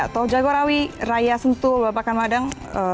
tol jagorawi raya sentul bapak kamadang